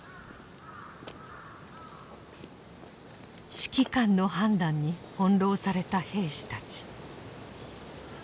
指揮官の判断に翻弄された兵士たち。